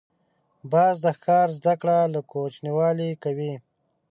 باز د ښکار زده کړه له کوچنیوالي کوي